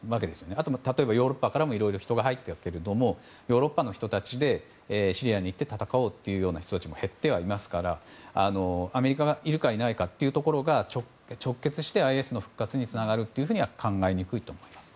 あとは例えばヨーロッパからもいろいろ人が入ったけれどもヨーロッパの人たちでシリアに行って戦おうという人も減ってはいますからアメリカがいるかいないかというところが直結してＩＳの復活につながるとは考えにくいと思います。